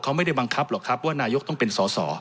เขาไม่ได้บังคับหรอกครับว่านายกต้องเป็นสอสอ